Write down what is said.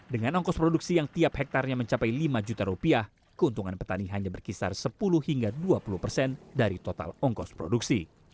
dengan ongkos produksi yang tiap hektarnya mencapai lima juta rupiah keuntungan petani hanya berkisar sepuluh hingga dua puluh persen dari total ongkos produksi